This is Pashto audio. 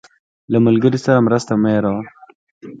له ملګري سره مرسته مه هېروه.